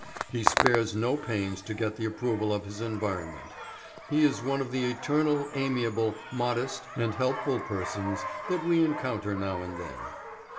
He spares no pains to get the approval of his environment. He is one of the eternally amiable, modest, and helpful persons that we encounter now and then.